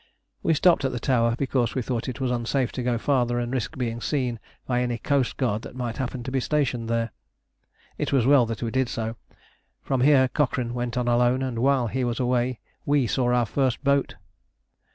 We stopped at the tower, because we thought it was unsafe to go farther and risk being seen by any coastguard that might happen to be stationed there. It was well we did so. From here Cochrane went on alone, and while he was away we saw our first boat.